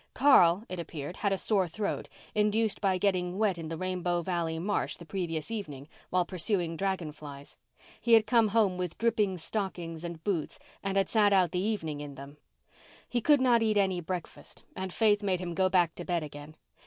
Carl, it appeared, had a sore throat, induced by getting wet in the Rainbow Valley marsh the previous evening while pursuing dragon flies. He had come home with dripping stockings and boots and had sat out the evening in them. He could not eat any breakfast and Faith made him go back to bed again.